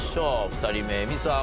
２人目映美さん